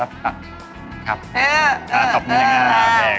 ตัดปากก่อนก็ได้